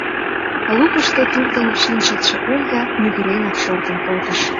Лукышто туртын шинчылтше Ольга мӱгыренак шортын колтыш.